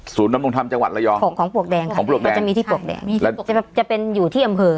ศูนย์นำรงธรรมจังหวัดอะไรอย่างของปวกแดงจะมีที่ปวกแดงจะเป็นอยู่ที่อำเภอ